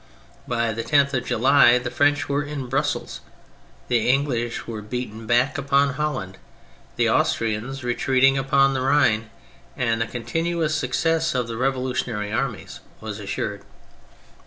By the 10th of July the French were in Brussels, the English were beaten back upon Holland, the Austrians retreating upon the Rhine, and the continuous success of the revolutionary armies was assured.